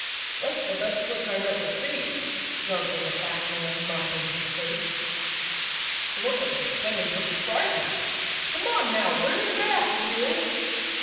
That's the best trick I've ever seen," gurgled a fat man, mopping his face. "Look at him pretending to be frightened. Come on now, bring him back, you!"